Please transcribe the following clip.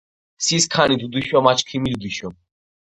სი სქანი დუდიშო მა ჩქიმი დუდიშო